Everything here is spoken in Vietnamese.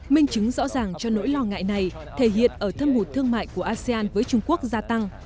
minh chứng rõ ràng cho nỗi lo ngại này thể hiện ở thâm hụt thương mại của asean với trung quốc gia tăng